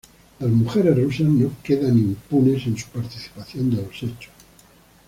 Las mujeres rusas no quedan impunes en su participación de los hechos.